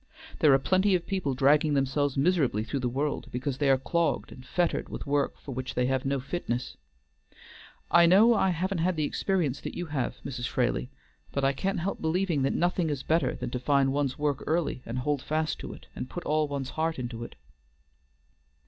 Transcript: There are plenty of people dragging themselves miserably through the world, because they are clogged and fettered with work for which they have no fitness. I know I haven't had the experience that you have, Mrs. Fraley, but I can't help believing that nothing is better than to find one's work early and hold fast to it, and put all one's heart into it."